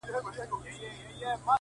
په سلايي باندي د تورو رنجو رنگ را واخلي”